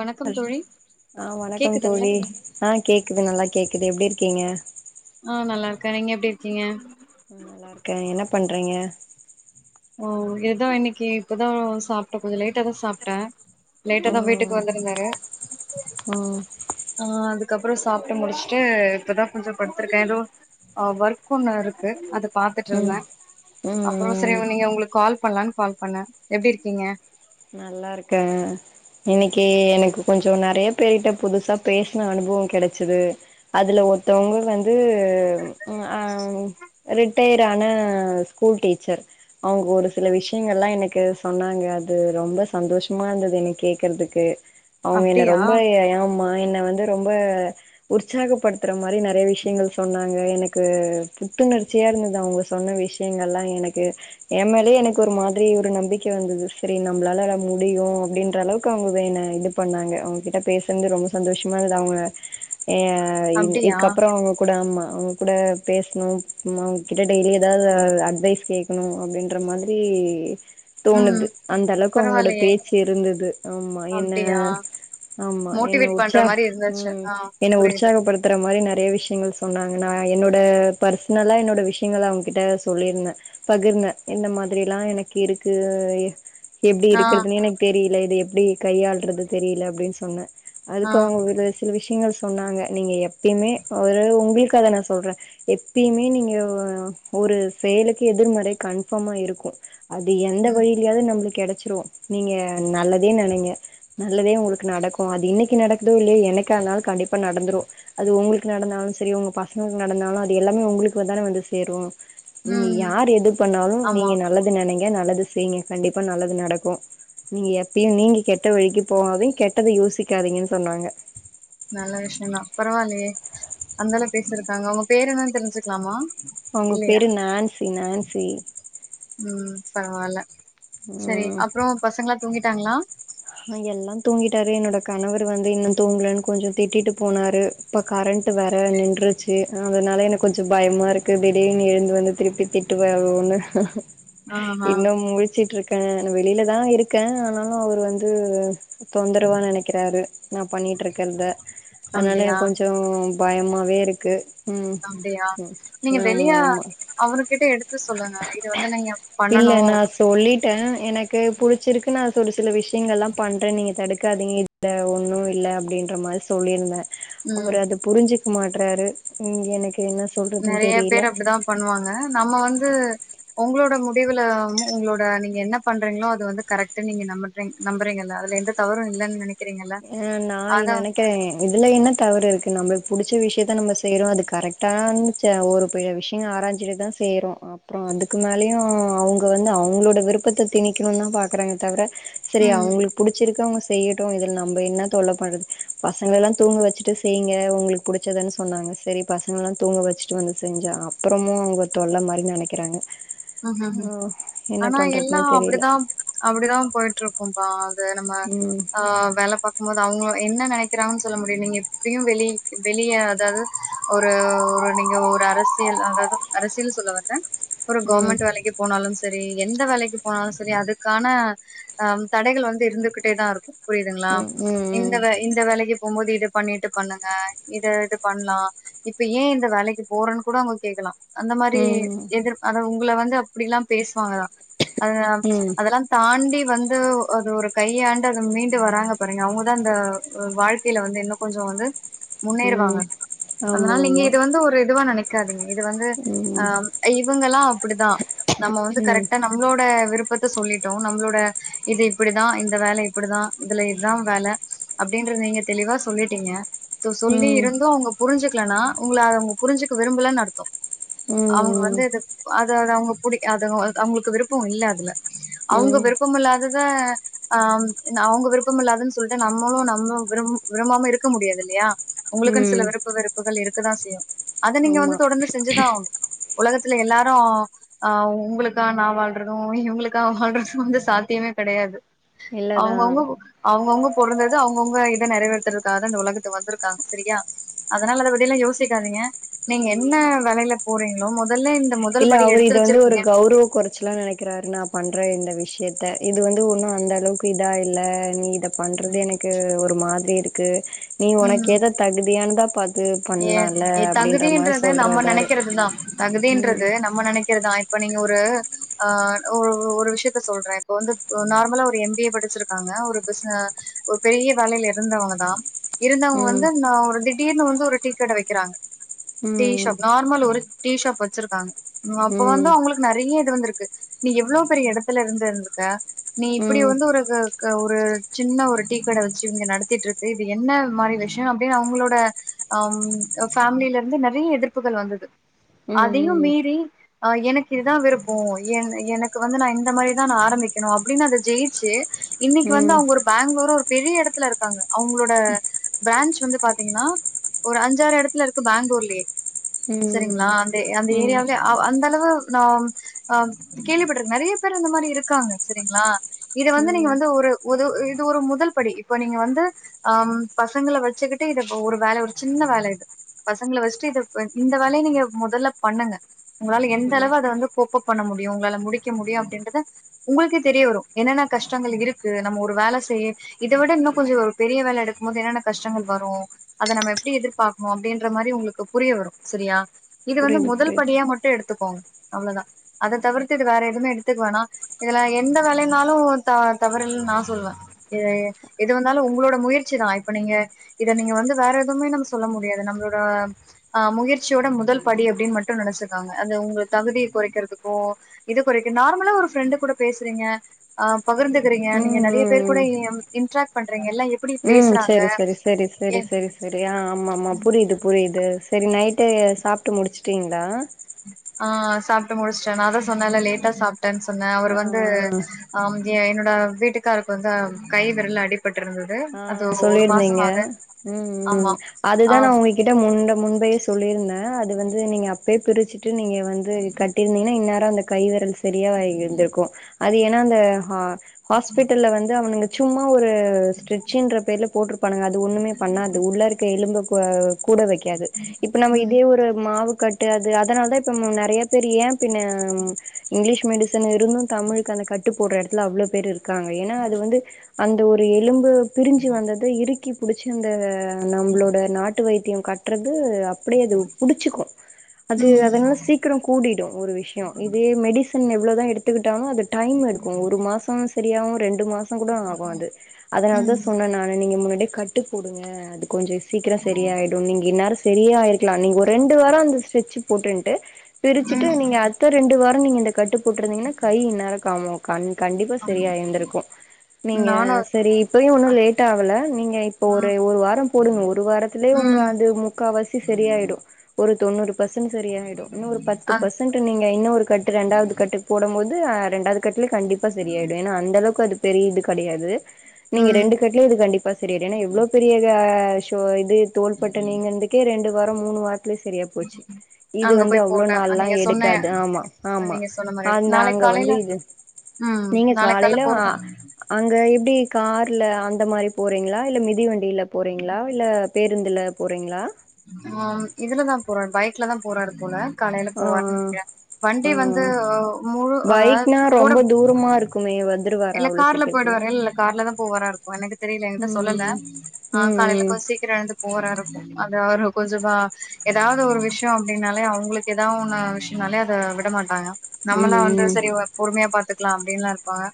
வணக்கம் ஹலோ தோழி ஆ வணக்கம் கேக்குதுங்களா தோழி ஆ கேக்குது நல்லா கேக்குது எப்டி இருக்கீங்க ஆ நல்லா இருக்க நீங்க எப்டி இருக்கீங்க நல்லா இருக்கே என்ன பண்றீங்க ஓ இதுதா இன்னைக்கு இப்பதா சாப்ட கொஞ்ச லேட்டா தா சாப்ட லேட்டா தா வீட்டுக்கு வந்திருந்தாரு ஓ ஆ அதுக்கப்புற சாப்ட்டு முடிச்சுட்டு இப்பதா கொஞ்ச படுத்திருக்கே ஏதோ ஒர்க் ஒண்ணு இருக்கு அத பாத்துட்டு இருந்த ம் ம் அப்புற சரி ம் நீங்க உங்களுக்கு கால் பண்ணலான் கால் பண்ண எப்டி இருக்கீங்க நல்லா இருக்க இன்னிக்கு எனக்கு கொஞ்சோ நெறைய பேர் கிட்ட புதுசா பேசின அனுபவோ கெடச்சுது அதுல ஒருத்தவங்க வந்து ம் அ ரிட்டயர் ஆன ஸ்கூல் டீச்சர் அவங்க ஒரு சில விஷயங்கல்லா எனக்கு சொன்னாங்க அது ரொம்ப சந்தோஷமா இருந்தது என்ன கேக்குறதுக்கு அவங்க என்ன அப்டியா ரொம்ப ஏமா என்ன வந்து ரொம்ப உற்சாகப்படுத்துற மாரி நறைய விஷயங்கள் சொன்னாங்க எனக்கு புத்துணர்ச்சியாருந்தது அவங்க சொன்ன விஷ எங்கல்லா எனக்கு ஏ மேலயே எனக்கு ஒரு மாதிரி ஒரு நம்பிக்க வந்தது சரி நம்பளால முடியு அப்டின்ற அளவுக்கு அவங்க என்ன இது பண்ணாங்க அவங்ககிட்ட பேசுனது ரொம்ப சந்தோஷமாருக்குது அவங்க ஏ இது அப்டியா இதுக்கப்புறோ அவுங்க கூட ஆமா அவங்க கூட பேசணு அவங்ககிட்ட டெய்லி ஏதாது அட்வைஸ் கேக் ணு அப்டின்ற மாதிரி ம் தோணுது அந்த அளவுக்கு அவங்களோட பரவாயில்லையே பேச்சு இருந்துது ஆமா என்ன அப்டியா ஆமா என்ன மோட்டிவேட் பண்ற உற்ச்சா மாரி இருந்துச்சு ம் ஆ என்ன புரியுது உற்ச்சாக படுத் த்துற மாரி நறைய விஷயங்கள் சொன்னாங்க நா என்னோட பர்சனலா என்னோட விஷயங்கள அவங்க கிட்ட சொல்லிருந்த பகிர்ந்த இந்த மாதிரில்லா எனக்கு இருக்கு எ எப் ஆ ருக்குனு எனக்கு தெரியல இது எப்டி கையாளுறது தெரில அப்டி சொன்ன ஆ அதுக்கு அவங்க ஒரு சில விஷயங்கள் சொன்னாங்க நீங்க எப்பயுமே ஒரு உங்களுக்கத நா சொல்ற எப்பயுமே நீங்க ஒரு செயலுக்கு எதிர்மறை கன்ஃபாமா இருக்கு அது எந்த ம் வழியிலயாவது நம்மளுக்கு கெடச்சிரு நீங்க நல்லதே நெனைங்க நல்லதே உங்களுக்கு நடக்கு அது இன்னைக்கு நடக்குதோ இல்லையோ என்னைக்காருந்தாலு கண்டிப்பா நடந்துரு அது உங்களுக்கு நடந்தாலு சரி உங்க பசங்களுக்கு நடந்தாலு அது எல்லாமே உங்களுக்கு தான வந்து சேரு நீங்க ம் யார் எது பண்ணாலு ஆமா நீங்க நல்லது நெனைங்க நல்லது செய்ங்க கண்டிப்பா நல்லது நடக்கு நீங்க எப்பயு நீங்க கெட்ட வழிக்கு போகாதிங் கெட்டத யோசிக்காதீங்கனு சொன்னாங்க நல்ல விஷயந்தா பரவால்லயே அந்தல பேசிருக்காங்க உங்க பேர் என்னனு தெரிஞ்சுக்கலாமா அவங்க இல்லையா பேரு நான்சி நான்சி ம் பரவால சரி ம் அப்றோ பசங்களா தூங்கிட்டாங்களா ஆ எல்லா தூங்கிட்டாரு என்னோட கணவர் வந்து இன்னு தூங்கலன் கொஞ்சோ திட்டிட்டு போனாரு இப்ப கரண்ட் வேற நின்றுச்சு அதனால எனக்கு கொஞ்சோ பயமா இருக்கு திடீர்னு எழுந்து வந்து திருப்பி திட்டு வரோன்னு ஆஹா இன்னு முழிச்சிட்டுருக்கே வெளியிலதா இருக்கேன் ஆனாலு அவர் வந் து தொந்தரவா நெனைக்கிறாரு நா பண்ணிட்டு இருக்கறத அனால அப்டியா எனக்கு கொஞ்சோ பயமாவே இருக்கு ம் அப்டியா ம் நீங்க ஆமா வெளியா ஆமா அவரு கிட்ட எடுத்து சொல்லுங்க இது வந்து நீங்க இல்ல பண்ணணு நா சொல்லிட்டே எனக்கு புடிச்சிருக்குன்னு அது ஒரு சில விஷ் ங்கல்லா பண்றேன் நீங்க தடுக்காதிங்க இல்ல ஒன்னு இல்ல அப்டின்ற மாரி சொல்லியிருந்தே ம் அவரு அத புரிஞ்சுக்க மாட்றாரு எனக்கு என்ன சொ நெறைய பேர் அப்டிதா பண்ணுவாங்க நம்ம வந்து உங்கோளோட முடிவுல உங்களோட நீங்க என்ன பண்றீங்களோ அது வந்து கரெக்ட்டு நீங்க நம்பு ங்க நம்புறிங்கல்ல அதுல எந்த தவறுன் இல்லன்னு நெனைக் ஆ நா நெனைக் றேன் இதுல என்ன தவறுருக்கு நம்ம புடிச்ச விஷயத்தா நம்ம செய்யறோ அது கரெக்டான் ச ஒரு பெ விஷயோ ஆராஞ்சிட்டு தா செய்றோ அப்புறோ அதுக்கு மேலயு அவ்ங்க வந்து அவ்ங்களோட விருப்பத்த திணிக்கணும்னு தா பாக்குறாங்க தவிர செரி ம் அவுங்களுக்கு புடிச்சிருக்க அவங்க செய்யுட்டு நம்ப என்ன தோழா பண்றது பசங்களெல்லா தூங்க வச்சுட்டு செய்ங்க உங்குளுக்கு புடிச்சதனு சொன்னாங்க சரி பசங்கல்லா தூங்க வச்சுட்டு வந்து செஞ்ச அப்புறமு அவங்க தொல்ல மாரி நெனைக்கிறாங்க ம் ஆன் என்ன ஆனா எல்லா பண்றதுன்னு தெரியில அப்டிதா அப்டிதா போயிட்டுருக்கும்பா அது நம்ம ம் அ வேல பாக் போதோ அவங்களு என்ன நெனைக்கிறாங்கன்னு சொல்ல முடியு நீங்க எப்டியு வெளி வெளிய அதாவது ஒரு ஒரு நீங்க ஒரு அரசியல் அதாது அரசியல் சொல்ல வர்ல ம் கவர்மெண்ட் வேலைக்கு போனாலும் செரி எந்த வேலைக்கு போனாலு செரி அதுக்கான அம் தடைகள் வந்து இருந்துகிட்டேதா இருக்கு புரியுதுங்களா ம் இந்த ம் வேல இந்த வேலைக்கு போம்போது இது பண்ணிட்டு பண்ணுங்க இத இது பண்ணலா இப்ப ஏ இந்த வேலைக்கு போறேன்னு கூட அவங்க கேக்கலா அந்த மாரி ம் எதிர் அத உங்கள வந்து அப்டிலா பேசுவாங்கதா அத ம் ம் அதெல்லா தாண்டி வந்து அது ஒரு கையாண்டு அது மீண்டு வராங்க பாருங்க அவங்கதா அந்த வாழ்க்கையில வந்து இன்னோ கொஞ்சோ வந்து முன்னேறுவாங்க ம் ஆமா அதனால நீங்க ஆமா இது வந்து ஒரு இதுவா நெனைக்காதீங்க இது வந்து ம் அ இவங்குளா அப்டிதா நம்ம வந்து ம் கரெக்ட்டா நம்பளோட விருப்பத்த சொல்லிட்டோ நம்பளோட இது இப்டிதா இந்த வேல இப்டிதா இதுல இதான் வேல அப்டின்றது நீங்க தெளிவா சொல்லிட்டீங்க தோ சொல்லி ம் இருந்து அவங்க புரிஞ்சுக்கலனா உங்கள அவங்க புரிஞ்சுக்க விரும்பலனு அர்த்தோ அவங்க ம் வந்து இது அதாது அவங்க புடிக் அது அவங்களுக்கு விருப்போ இல்ல அதுல அவுங்க ம் விருப்பமில்லாதத அம் அவங்க விருப்பம் இல்லாதுன்னு சொல்ட்டு நம்மளு நம்ம விரும் விரும்பாம இருக்க முடியாது இல்லையா உங்ளுக்குன்னு சில ம் விருப்பு வெறுப்புகள் இருக்குதா செய்யு அத நீங்க வந்து ஆமா தொடந்து செஞ்சுதா ஆகனோ த்துல எல்லாரோ ஆ உங்களுக்கா நா வாழ்றது இவங்களுக்கா வாழ்றது வந்து சாத்தியமே கெடையாது இல்லதா ஆவுங்கவுங்க அவுங்கவுங்க பொறந்தது அவுங்கவுங்க இத நறைவேறுத்துறதுக்காத இந்த உலகத்து வந்திருக்காங்க சரியா அதனால அத பத்தி எல்லா யோசிக்காதீங்க நீங்க என்ன வேலையில போறீங்ளோ மொதல்ல முதல் இல்ல படி அவுரு எடுத்து இது வந்து ஒரு வச்சிருக்கீங்க கவ்ரவ கொற ஆக்சுலா நெனைக்கிறாரு நா பண்ற இந்த விஷயத்த இது வந்து ஒன்னு அந்த அளவுக்கு இதா இல்ல நீ இத பண்றது எனக்கு ஒரு மாதிரி இருக்கு நீ உனக்கு ம் ஏதோ தகுதியானதா பா ஏ ஏ தகுதின்றது நம்ம சொல்றாரு நனைக்கிறதுதா தகுதின்றது ம் நம் நம்ம நனைக்கிறதா இப்ப நீங்க ஒரு ஆ ஒரு ஒரு விஷயத்த சொல்ற இப்ப வந்து நார்மலா ஒரு எம் பி ஏ படிச்சிருக்காங்க ஒரு பிச ஒரு பெரிய வேலையில இருந்தவங்க தா இருந்தவங்க ம் வந்து நா ஒரு திடீர்னு வந்து ஒரு டீ கட வைக்கிறாங்க டீ ம் ஷாப் நார்மல் ஒரு டீ ஷாப் வச்சிருக்காங்க அப்ப வந்து ம் அவுங்ளுக் நறைய இது வந்திருக்கு நீ எவ்ளோ பெரிய இடத்துல இருந்துந்திருக்க நீ ம் இப்டி ம் வந்து ஒரு ஒரு சின்ன ஒரு டீக்கட வச்சு இங்க நடத்திட்ருக்கு இது என்ன மாரி விஷ்யோ அப்டின்னு அவுங்ளோட ம் ஃபேமிலில இருந்து நறைய எதிர்ப்புகள் வந்தது அதையு ம் மீறி ஆ எனக்கு இதுதா விருப்போ என் எனக்கு வந்து நா இந்த மாரிதா நா ஆரம்பிக்கணு அப்டின்னு அத ஜெயிச்சு இன்னைக்கு வந்து ம் அவுங்க ஒரு பெங்களூரு ஒரு பெரிய இடத்துல இருக்காங்க அவுங்ளோட பிரான்ச் வந்து பாத்தீங்கன்னா ஒரு அஞ்சாறு இடத்துல இருக்கு பெங்களூர்லயே ம் செரிங்ளா அந்த ஏரியாவில அந்த அளவு நா ஆ கேள்விப்பட்டுருக் நறைய பேரு அந்த மாரி இருக்காங்க செரிங்ளா இது வந்து நீங்க ம் வந்து ஒரு ஒரு இது ஒரு முதல் படி இப்ப நீங்க வந்து ஆம் பசங்கள வச்சுக்கிட்டு இத ஒரு வேல ஒரு சின்ன வேல இது பசங்கள வச்ட்டு இ இந்த வேலைய நீங்க மொதல்ல பண்ணுங்க உங்களால எந்த ம் ம் அளவு அத வந்து கோப்பப் பண்ண முடியு உங்களால முடிக்க முடியு அப்டின்றது உங்களுக்கே தெரிய வரு என்னென்ன கஷ்டங்கள் இருக்கு நம்ம ஒரு வேல செய் இத விட இன்னு கொஞ்சோ ஒரு பெரிய வேல எடுக்கும் போது என்னென்ன கஷ்டங்கள் வரு அத நம்ம எப்டி எதிர்பாக்ணு அப்டின்ற மாரி உங்களுக்கு புரிய வரு சரியா இது வந்து புரியுது முதல் புரியுது படியா மட் எடுத்துக்கோங்க அவ்ளோதா அத தவிர்த்து இது வேற எதுவுமே எடுத்துக்கு வேனா இதுல எந்த வேலைனாலும் த தவறலனு நான் சொல்லுவேன் எ எது வந்தாலும் உங்ளோட முயற்சிதான் இப்ப நீங்க இத நீங்க வந்து வேற எத எதுவுமே நம்ம சொல்ல முடியாது நம்மளோட ஆ முயற்சியோட முதல் படி அப்டின்னு மட்டும் நினைச்சக்காங்க அது உங்க தகுதியை குறைக்கிறதுக்கோ இது குறைக்கும் நார்மலா ஒரு ஃப்ரெண்டு் கூட பேசுறீங்க ஆ பகிர்ந்துக்கறீங்க ம் நீங்க நிறைய பேர் கூட ம் இன்ட்ராக்ட் பண்றீங்கல்ல ம் சேரி சேரி சேரி சேரி சேரி செரியா ஆமமா புரிது புரிது செரி நைட்டு சாப்ட்டு முடிச்சிட்டிங்ளா ஆ சாப்ட்டு முடிச்ட்ட நா தா சொன்னல்ல லேட்டா சாப்ட்டன் சொன்ன அவுரு ஆ வந்து ஆ என்னோட வீட்டுக்காருக்கு வந்து கை விரல் அடிபட்டு இருந்தது ஆ அது ஒரு சொல்லிருந்தீங்க மாசமாக ம் ம் ஆமா ஆ அதுதான் அவங்க கிட்ட முன்ட முன்பையே சொல்லியிருந்தேன் அது வந்து நீங்க அப்பயே பிரிச்சுட்டு நீங்க வந்து க கட்டிருந்தீங்கனா இன்னேரம் அந்த கை விரல் செரியாய்ந்துருகும் அது ஏன்னா அந்த ஹா ஹாஸ்பிட்டல்ல வந்து அவனு சும்மா ஒரு ஸ்ட்ரிச்சன்ற பேரில் போட்டிருப்பானுங்க அது ஒன்றுமே பண்ணாது உள்ளே இருக்க எலும்புக்கு கூட வைக்காது இப்ப நம்ம ம் இதே ஒரு மாவுக்கட்டு அது அதனால தான் இப்ப நிறைய பேரு ஏன் பின்ன இங்கிலீஷ் மெடிசன் இருந்தும் தமிழுக்கு அந்த கட்டு போடுற இடத்துல அவ்ளோ பேர் இருக்காங்க ஏன்னா அது வந்து அந்த ஒரு எலும்பு பிரிஞ்சு வந்தது இறுக்கி பிடிச்சி அந்த நம்மளோட நாட்டு வைத்தியம் கட்டுறது அ அப்டியே அது புடிச்சிக்கும் அது அதனால ம் சீ சீக்கிரம் கூடிடும் ஒரு விஷயம் இதே மெடிசன் எவ்ளோவுதான் எடுத்துக்கிட்டாலும் அது டைம் எடுக்கும் ஒரு மாசோ சரியாக ரெண்டு மாசம் கூட ஆகும் அது அதனால ம் தான் சொன்னேன் நானு நீங்க முன்னாடியே கட்டு போடுங்க அது கொஞ்சம் சீக்கிரம் சரியிடும் நீங்க இன்னேரம் சரியாயிருக்கலாம் நீங்க ஒரு ரெண்டு வாரம் அந்த ஸ்டட்ச் போட்டுன்ட்டு பிரிச்சுட்டு ம் நீங்க அடுத்த ரெண்டு வாரம் நீங்க இந்த கட்டு போட்டுருந்தீங்கன்னா கை இந்நேரம் காமாக் கண் கண்டிப்பா ஆமா சரியாய்ந்திருக்கும் நீங்க நானு சரி இப்பயு ஒண்ணு லேட் ஆகல நீங்க இப்ப ஒரு ம் ஒரு வாரம் போடுங்க ஒரு வாரத்துலயே உங்க ம் அது முக்காவாசி சரியாய்டும் ஒரு தொண்ணூறு பர்சன்ட் சரியய்டும் இன்னும் ஒரு பத்து அ பர்சன்ட் நீங்க இன்னொரு கட்டு ரெண்டாவது கட்டு போடும் போது ரெண்டாவது கட்டலயே கண்டிப்பா செரியாய்டும் ஏன்னா அந்த அளவுக்கு அது பெரிய இது கிடையாது நீங்க ம் ரெண்டு கட்லயும் இது கண்டிப்பா செரியாய்டும் ஏன்னா இவ்ளோ பெரிய சா ஷோ இது தோள்பட்ட நீங்கந்துக்கே ரெண்டு வாரம் மூணு வாரத்துலயே சரியா போச்சு இது அங்க வந்து போய் அவ்ளோ போட்டே நாள்ல்லாம் நீங்க சொன்ன எடுக்காது ஆமா ஆமா நீங்க சொன்ன மாரி எடு அந்த நாளைக்கு அங்க வந்து காலைல இது ம் நீங்க நாளைக்கு காலைல காலையில ஆ போறது அங்க எப்டி கார்ல அந்த மாரி போறீங்களா இல்ல மிதி வண்டியில போறீங்களா இல்ல பேருந்துல போறீங்களா ஆ இதுலதான் போறாரு பைக்ல தான் போறாரு போல காலையில ஆ போவாருன்னு நினைக்கிறேன் ஆ வண்டி வந்து முழு ஆ கூட வீட்டுக்குமையே வந்துருவாரா இல்ல அவ்ளோ கார்ல சீக்கிரத்துல போயிடுவாரு இல்ல கார்ல தான் போவாரா இருக்கும் எனக்கு தெரியலங்க என்கிட்ட சொல்லல ம் ஆ காலையில ம் ம் கொஞ்சம் சீக்கிரம் எழுந்து போற இருக்கும் அது அவ கொஞ்சமா ஏதாவது ஒரு விஷயம் அப்டின்னாலே அவங்களுக்கு ஏதாவொன்ன விஷயம்னாலே அத விட மாட்டாங்க நம்மல்லா இருந்தா ம் ம் சரி பொறுமையா பாத்துக்கலாம் அப்டின்னுல்லாம் இருப்பாங்க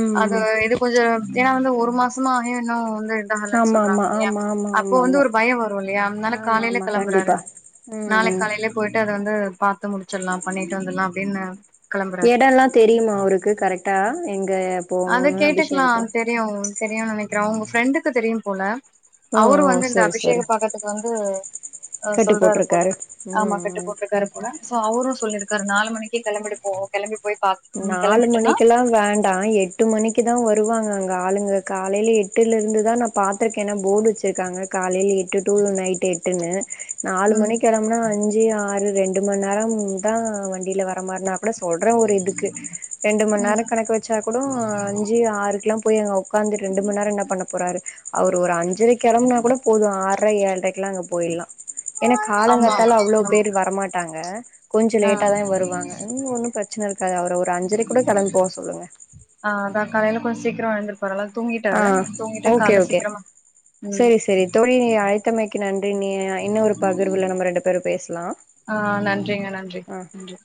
ம் அது ம் இது கொஞ்சம் ஏன்னா வந்து ஒரு மாசமா ஆகும் இன்னும் வந்து போ முடில ஆமா சொல்றாங்க ஆமா இல்லையா ஆமா ஆமா அப்போ வந்து ஆமா ஆமா ஒரு பயம் வரும் இல்லையால அதனால ஆமா காலையில ஆமா கிளம்புறாரு கண்டிப்பா ம் நாளை ம் காலையில போயிட்டு அதை வந்து பாத்து முடிச்சிடலாம் பண்ணிட்டு வந்துடலாம் அப்டின்னு கெளம்புறாரு இடம் எல்லாம் தெரியுமா அவருக்கு கரெக்டா எங்க எப் அத கேட்டுக்கலாம் தெரியும் தெரியும்னு நினைக்கிறேன் உங்க ஃப்ரெண்டுக்கு தெரியும் போல ஓ அவரும் ஓ வந்து இந்த சரி சரி அபிஷேக பாக்கறதுக்கு வந்து ஆ கட்டு சொல்றாரு போல போட்ருக்காரு ஆமா ம் கெட்டு ம் போட்டிருக்காரு போனா சோ அவரு சொல்லிருக்காரு நாலு மணிக்கே கெளம்பிட்டு போவோ கெளம்பி போய் பாக் ம் நாலு கெளம்பிட்டனா மணிக்குல்லா வேண் ட எட்டு மணிக்கு தா வருவாங்க அங்க ஆளுங்க காலையில எட்டுல இருந்து தா நா பாத்திருக்கேன்னா போர்டு வச்சுருக்காங்க காலையில் எட்டு டூ நைட் எட்டுன்னு நாலு ம் மணிக்கு கெளம்னா அஞ் சு ஆறு ரெண்டு மணி நேரம் தா வண்டியில வர மாரினா கூட சொல்றே ஒரு இதுக் ரெண்டு மணி நேர ம் கணக்கு வச்சா கூட அஞ்சு ஆறுக்குல்லாம் போய் அங்க உக்காந்து ரெண்டு மணி நேர என்ன பண்ண போறாரு அவர் ஒரு அஞ்சு ஞ்சிரை கெளம்பனா கூட போது ஆறரை ஏழரைக்கு எல்லா அங்க போயிடலா ஏன்னா ஆமா காலங்கத்தால அவ்ளோ பேர் வரமாட்டாங்க கொஞ்சம் ஆ லேட்டா தா வருவாங்க இன்னு ஒன்னும் பிரச்சனை இருக்காது அவரு ஒரு அஞ்சரை கூட கெளம்பி போ சொல்லுங்க ஆ அதா காலையில கொஞ்ச சீக்கிரம எழுந்துருப்பாருல்ல ஆ தூங்கிட்டாரு தூங்கிட்டு ஓகே காலை ஓகே சீக்கிரமா ம் செரி செரி தோழி நீ அழைத்தமைக்கு நன்றி நீ இன்னொ ஒரு பகிர்வுல நம்ம ரெண்டு பேரும் பேசலா ஆ நன்றிங்க நன்றி ஆ நன்றி